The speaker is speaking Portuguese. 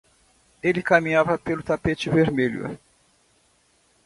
Ele caminhava pelo tapete vermelho.